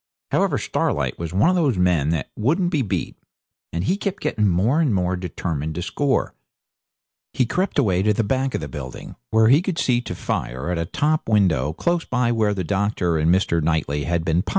However, Starlight was one of those men that won't be beat, and he kept getting more and more determined to score. He crept away to the back of the building, where he could see to fire at a top window close by where the doctor and Mr. Knightley had been potting at us.